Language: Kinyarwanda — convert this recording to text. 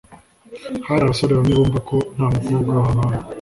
Hari abasore bamwe bumva ko nta mukobwa wabanga